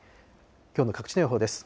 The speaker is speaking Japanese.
きょうの各地の予報です。